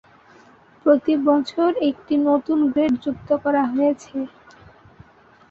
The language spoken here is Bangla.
প্রতি বছর একটি নতুন গ্রেড যুক্ত করা হয়েছে।